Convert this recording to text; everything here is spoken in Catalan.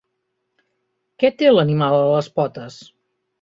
Què té l'animal a les potes?